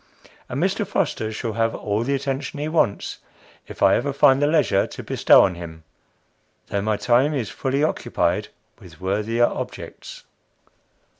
And Mr. Foster shall have all the attention he wants if I ever find the leisure to bestow on him, though my time is fully occupied with worthier objects.